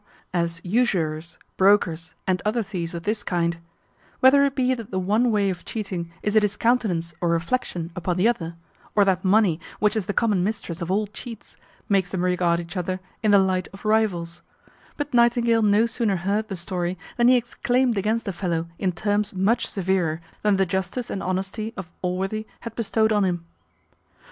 as usurers, brokers, and other thieves of this kind; whether it be that the one way of cheating is a discountenance or reflection upon the other, or that money, which is the common mistress of all cheats, makes them regard each other in the light of rivals; but Nightingale no sooner heard the story than he exclaimed against the fellow in terms much severer than the justice and honesty of Allworthy had bestowed on him.